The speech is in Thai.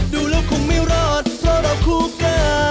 ดูแล้วคงไม่รอดเพราะเราคู่กัน